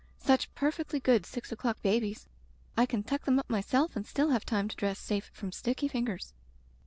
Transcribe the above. Such perfectly good six o'clock babies! I can tuck them up myself and still have time to dress safe from sticky fingers.